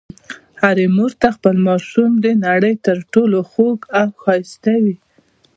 هرې مور ته خپل ماشوم د نړۍ تر ټولو خوږ او ښایسته وي.